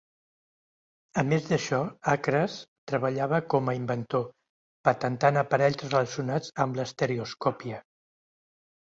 A més d'això, Acres treballava com a inventor, patentant aparells relacionats amb l'estereoscòpia.